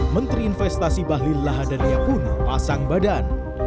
menteri investasi bahlil lahadania pun pasang badan